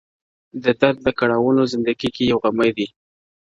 د درد د كړاوونو زنده گۍ كي يو غمى دی.